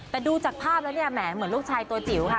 แต่ดูจากภาพแล้วเนี่ยแหมเหมือนลูกชายตัวจิ๋วค่ะ